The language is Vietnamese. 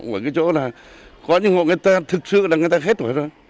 một cái chỗ là có những hộ nghèo thật sự là người ta hết tuổi rồi